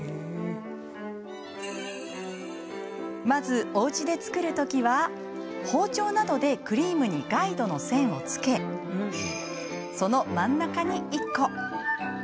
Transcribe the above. まず、おうちで作る時は包丁などでクリームにガイドの線をつけその真ん中に１個。